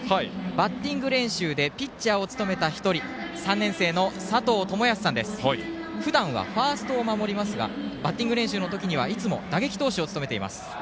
バッティング練習でピッチャーを務めた１人３年生のさとうともやすさんです、ふだんはファーストを守りますがバッティング練習の時にはいつも打撃投手を務めています。